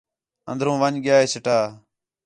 اندر ون٘ڄ ڳِیا ہے چٹا